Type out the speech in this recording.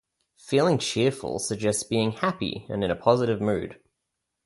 Feeling cheerful suggests being happy and in a positive mood.